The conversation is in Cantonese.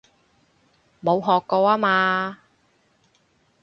冇學過吖嘛